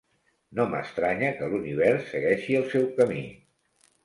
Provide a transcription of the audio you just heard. No m'estranya que l'univers segueixi el seu camí.